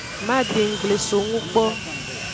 Madenggble songu kpo.